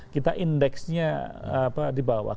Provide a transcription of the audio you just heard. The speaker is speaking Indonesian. kita indeksnya dibawah